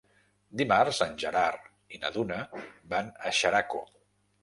Dimarts en Gerard i na Duna van a Xeraco.